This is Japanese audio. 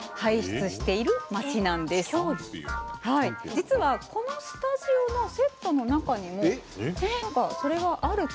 実はこのスタジオのセットの中にも何かそれがある。